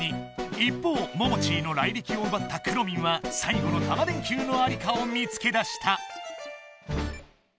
一方モモチーのライリキをうばったくろミンは最後のタマ電Ｑのありかを見つけだした！